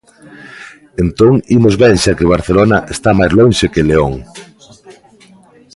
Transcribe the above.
_¡Entón imos ben xa que Barcelona está máis lonxe que León...